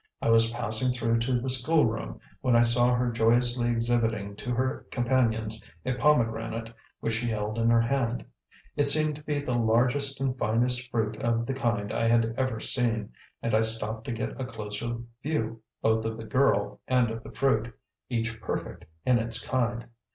I was passing through to the school room, when I saw her joyously exhibiting to her companions a pomegranate which she held in her hand. It seemed to be the largest and finest fruit of the kind I had ever seen, and I stopped to get a closer view both of the girl and of the fruit, each perfect in its kind.